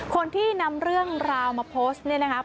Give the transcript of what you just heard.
คนที่นำเรื่องราวมาโพสต์เนี่ยนะคะ